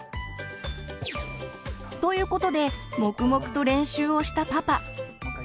ということで黙々と練習をしたパパ。